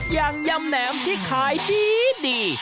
อย่างยำแหนมที่ขายดีดี